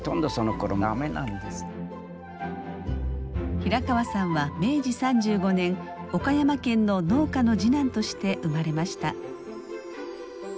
平川さんは明治３５年岡山県の農家の次男として生まれました。